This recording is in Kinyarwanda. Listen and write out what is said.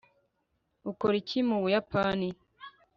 ukora iki mu buyapani